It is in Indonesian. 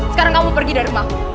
sekarang kamu pergi dari rumah